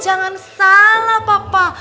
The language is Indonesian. jangan salah papa